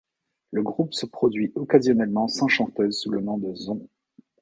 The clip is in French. Le groupe se produit occasionnellement sans chanteuse sous le nom de Zon.